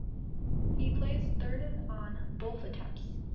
He placed third on both attempts.